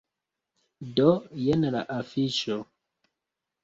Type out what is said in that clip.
Do, jen la afiŝo.